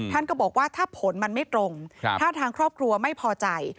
ท่านก็บอกว่าถ้าผลมันไม่ตรงถ้าทางครอบครัวไม่พอใจ